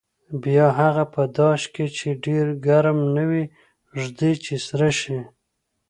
بیا هغه په داش کې چې ډېر ګرم نه وي ږدي چې سره شي.